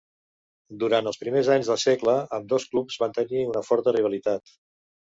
Durant els primers anys de segle ambdós clubs van tenir una forta rivalitat.